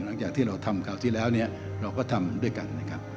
หลังจากที่เราทำคราวที่แล้วเนี่ยเราก็ทำด้วยกันนะครับ